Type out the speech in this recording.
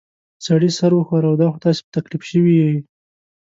سړي سر وښوراوه: دا خو تاسې په تکلیف شوي ییۍ.